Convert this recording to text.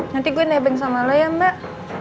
nanti gue nebeng sama lo ya mbak